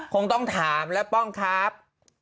คงต้องถามแล้วป้องครับ